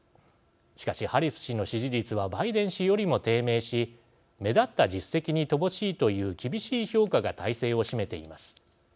しかし、ハリス氏の支持率はバイデン氏よりも低迷し目立った実績に乏しいという厳しい評価が大勢を占めています。